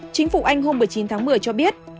chính phủ anh hôm một mươi chín tháng một mươi cho biết